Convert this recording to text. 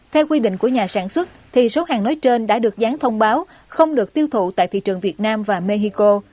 theo quy định của nhà sản xuất số hàng nói trên đã được gián thông báo không được tiêu thụ tại thị trường việt nam và mexico